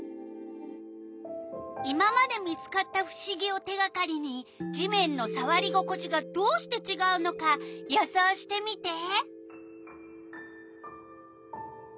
今まで見つかったふしぎを手がかりに地面のさわり心地がどうしてちがうのか予想してみて！